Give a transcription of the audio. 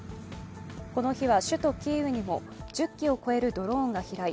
この日は首都キーウにも１０機を超えるドローンが飛来。